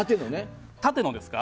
縦のですか？